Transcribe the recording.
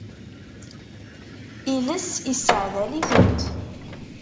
Iles isseɛdal-itent.